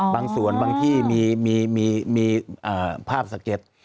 บางส่วนบางที่มีภาพสะเก็ด